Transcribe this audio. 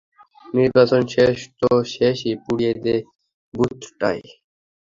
নির্বাচন শেষ তো শেষই - পুড়িয়ে দে বুথটাই।